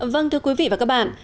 vâng thưa quý vị và các bạn